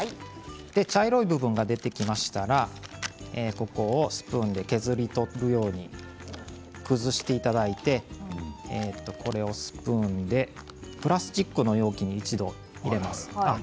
茶色い部分が出てきましたがここをスプーンで削り取るように崩していただいてこれをスプーンでプラスチックの容器に一度入れます。